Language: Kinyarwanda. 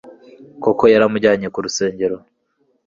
koko yaramujyanye ku rusengero